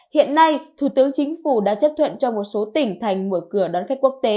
hiện nay thủ tướng chính phủ đã chấp thuận cho một số tỉnh thành mở cửa đón khách quốc tế